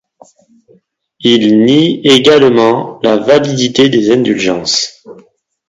Il nie également la validité des indulgences.